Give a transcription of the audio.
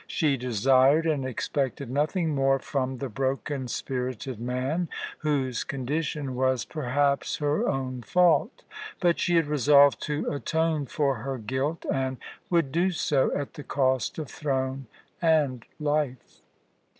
She desired and expected nothing more from the broken spirited man, whose condition was perhaps her own fault. But she had resolved to atone for her guilt, and would do so at the cost of throne and life.